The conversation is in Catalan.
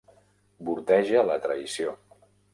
Bordeja la traïció.